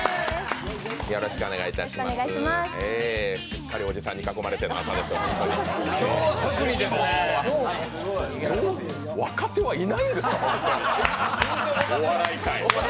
しっかりおじさんの囲まれての朝だと思いますが、若手はいないんですか、ホントに、お笑い界。